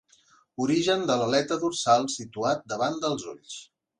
Origen de l'aleta dorsal situat davant dels ulls.